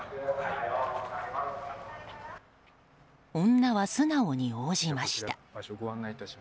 女は素直に応じました。